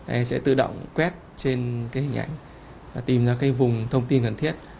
ai sẽ tự động quét trên cái hình ảnh và tìm ra cái vùng thông tin cần thiết